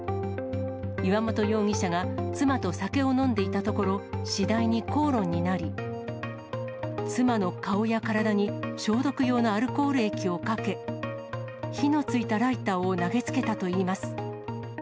岩本容疑者が妻と酒を飲んでいたところ、次第に口論になり、妻の顔や体に消毒用のアルコール液をかけ、火のついたライターを投げつけたといいます。